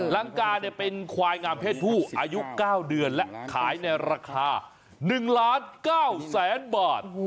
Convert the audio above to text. ลังการ์นะเป็นควายงามเพศผู้อายุ๙เดือนและขายในราคา๑๙๐๐๐๐๐บาท